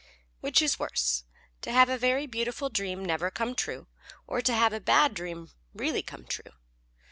_ Which is worse, to have a very beautiful dream never come true, or to have a bad dream really come true?